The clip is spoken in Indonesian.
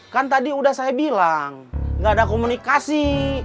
kan tadi udah saya bilang gak ada komunikasi